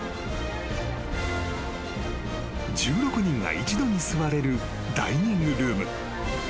［１６人が一度に座れるダイニングルーム］